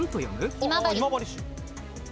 今治市。